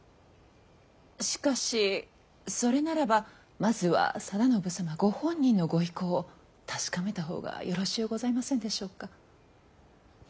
しかしそれならばまずは定信様ご本人のご意向を確かめたほうがよろしうございませんでしょうか。